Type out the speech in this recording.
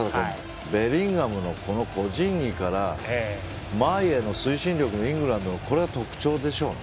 ベリンガムの個人技から前の推進力、イングランドのこれは特徴でしょうね。